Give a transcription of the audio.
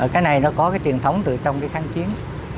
cái này nó có cái truyền thống từ trong cái kháng chiến